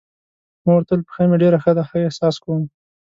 ما ورته وویل: پښه مې ډېره ښه ده، ښه احساس کوم.